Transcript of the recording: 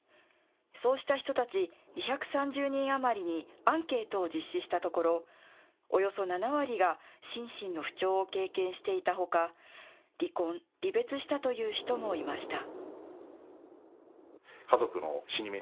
そうした人たち２３０人余りにアンケートを実施したところおよそ７割が心身の不調を経験していたほか離婚、離別したという人もいました。